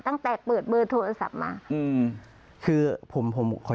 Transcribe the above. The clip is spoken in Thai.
ตั้งแต่เปิดโทรศัพท์มา